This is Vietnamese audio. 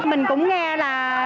mình cũng nghe là